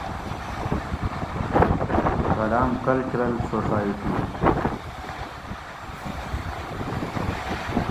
کالام کلچرل سوسائٹی